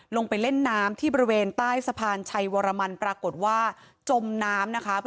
ลงไปเล่นน้ำที่บริเวณใต้สะพานชัยวรมันปรากฏว่าจมน้ำนะคะ